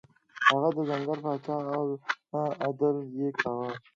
هغه د ځنګل پاچا و او عدل یې کاوه.